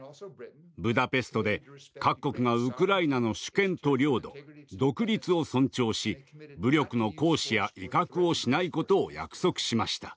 ブダペストで各国がウクライナの主権と領土独立を尊重し武力の行使や威嚇をしないことを約束しました。